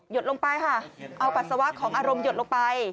ดลงไปค่ะเอาปัสสาวะของอารมณ์หยดลงไป